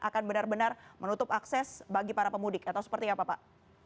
akan benar benar menutup akses bagi para pemudik atau seperti apa pak